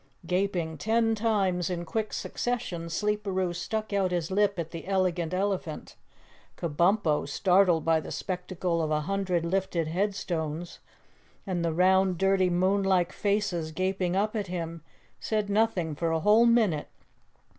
Gaping ten times in quick succession, Sleeperoo stuck out his lip at the Elegant Elephant. Kabumpo, startled by the spectacle of a hundred lifted headstones and the round dirty moonlike faces gaping up at him, said nothing for a whole minute.